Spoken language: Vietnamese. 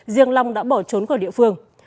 riêng long đã bỏ trốn khỏi địa phương